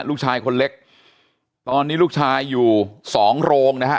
ลูกชายคนเล็กตอนนี้ลูกชายอยู่สองโรงนะฮะ